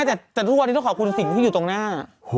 แต่ทุกวันนี้ต้องขอบคุณสิ่งที่อยู่ตรงหน้า